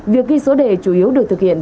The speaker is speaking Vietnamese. việc ghi số đề chủ yếu được thực hiện